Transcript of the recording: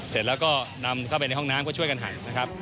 เสร็จแล้วก็นำเข้าไปในห้องน้ำก็ช่วยกันหันนะครับ